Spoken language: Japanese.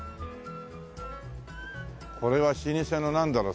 これは老舗のなんだろう